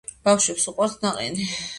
ბავშვებს უყვართ ნაყინი